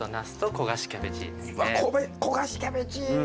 焦がしキャベチー！